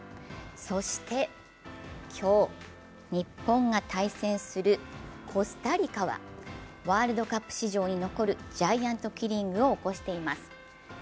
そして今日、日本が対戦するコスタリカはワールドカップ史上に残るジャイアントキリングを起こしています。